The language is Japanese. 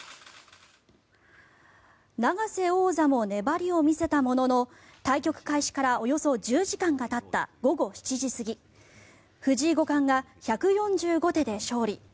永瀬王座も粘りを見せたものの対局開始からおよそ１０時間がたった午後７時過ぎ藤井五冠が１４５手で勝利。